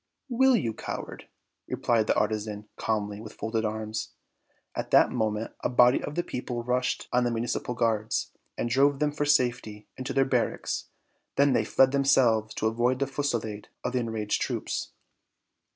"Will you, coward!" replied the artisan, calmly, with folded arms. At that moment a body of the people rushed on the Municipal Guards and drove them for safety into their barracks; then they fled themselves to avoid the fusillade of the enraged troops.